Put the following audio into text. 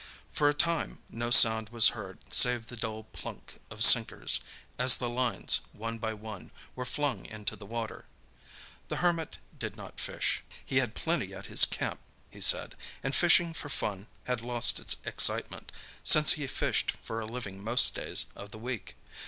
For a time no sound was heard save the dull "plunk" of sinkers as the lines, one by one, were flung into the water. The Hermit did not fish. He had plenty at his camp, he said, and fishing for fun had lost its excitement, since he fished for a living most days of the week.